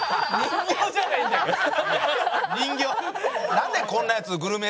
人形。